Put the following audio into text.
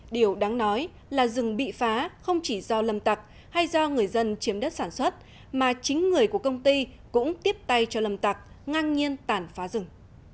điều đáng nói là rừng bị phá không chỉ do lâm tặc hay do người dân chiếm đất sản xuất mà chính người của công ty cũng tiếp tay cho lâm tặc ngang nhiên tàn phá rừng